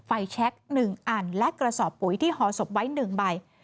แชค๑อันและกระสอบปุ๋ยที่ห่อศพไว้๑ใบ